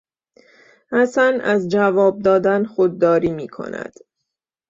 حسن از جواب دادن خودداری میکند.